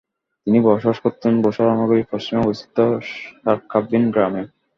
তিনি বসবাস করতেন বুসরা নগরীর পশ্চিমে অবস্থিত ‘শারকাব্বীন’ গ্রামে।